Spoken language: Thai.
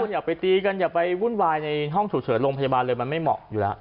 อย่าไปตีกันอย่าไปวุ่นวายในห้องฉุกเฉินโรงพยาบาลเลยมันไม่เหมาะอยู่แล้ว